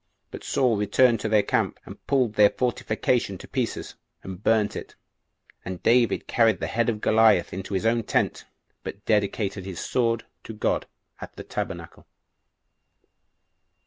But Saul returned to their camp, and pulled their fortification to pieces, and burnt it; but David carried the head of Goliath into his own tent, but dedicated his sword to God [at the tabernacle].